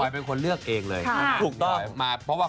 พวกคุณสนิทกับพี่หอย